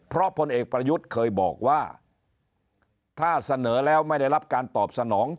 เพราะพลเอกประยุทธ์เคยบอกว่าถ้าเสนอแล้วไม่ได้รับการตอบสนอง